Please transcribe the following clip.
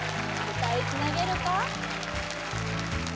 歌いつなげるか？